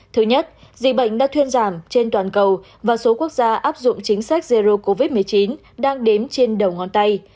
thứ nhất dịch bệnh đã thuyên giảm trên toàn cầu và số quốc gia áp dụng chính sách zero covid một mươi chín đang đếm trên đầu ngón tay